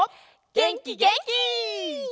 げんきげんき！